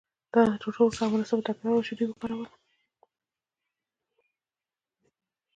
دا تر ټولو ښه او مناسبه تګلاره وه چې دوی وکارول.